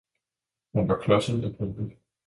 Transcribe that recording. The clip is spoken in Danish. Han var klodset og klumpet.